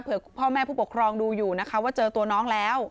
เพื่อพ่อแม่ผู้ปกครองดูอยู่นะคะว่าเจอตัวน้องแล้ว